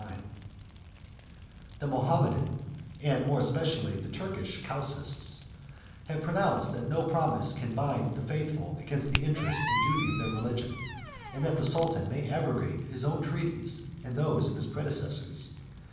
] The Mahometan, and more especially the Turkish casuists, have pronounced that no promise can bind the faithful against the interest and duty of their religion; and that the sultan may abrogate his own treaties and those of his predecessors.